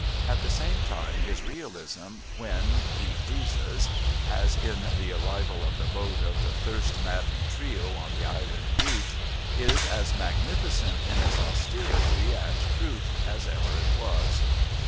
At the same time his realism, when he pleases, as in the arrival of the boat of the thirst maddened trio on the island beach, is as magnificent in its austerity and truth as ever it was.